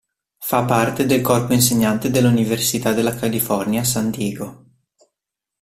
Fa parte del corpo insegnante della Università della California a San Diego.